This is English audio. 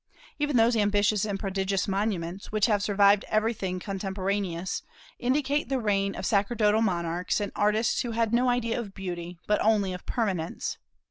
Even those ambitious and prodigious monuments, which have survived every thing contemporaneous, indicate the reign of sacerdotal monarchs and artists who had no idea of beauty, but only of permanence.